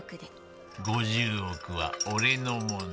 ５０億は俺のもの。